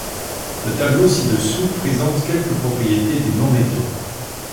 Le tableau ci-dessous présente quelques propriétés des non-métaux.